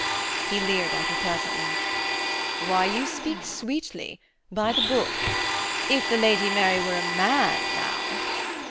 He leered at her pleasantly. 'Why, you speak sweetly, by the book. If the Lady Mary were a man now....'